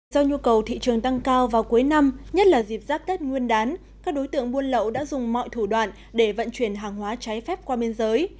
do nhu cầu thị trường tăng cao vào cuối năm nhất là dịp giáp tết nguyên đán các đối tượng buôn lậu đã dùng mọi thủ đoạn để vận chuyển hàng hóa trái phép qua biên giới